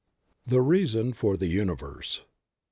THE REASON FOR THE UNIVERSE.